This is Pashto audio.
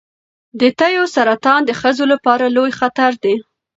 د تیو سرطان د ښځو لپاره لوی خطر دی.